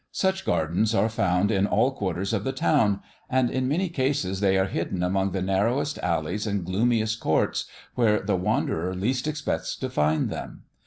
Such gardens are found in all quarters of the town, and in many cases they are hidden among the narrowest alleys and gloomiest courts, where the wanderer least expects to find them.